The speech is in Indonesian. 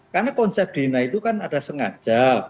karena konsep dina itu kan ada sengaja